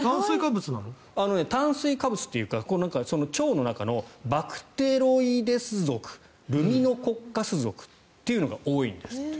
炭水化物というか腸の中のバクテロイデス属ルミノコッカス属というのが多いんですって。